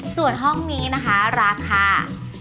ส่วนห้องนี้นะคะราคา